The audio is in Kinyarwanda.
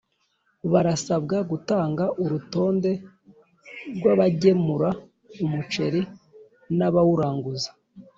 barasabwa gutanga Urutonde rw abagemura umuceri n’ abawuranguza